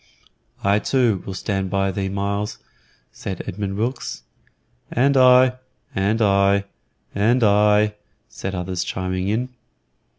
"I too will stand thee by, Myles," said Edmund Wilkes. "And I, and I, and I," said others, chiming in.